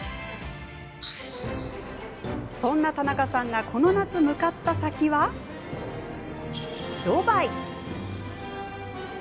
そんな田中さんがこの夏、向かった先はドバイ！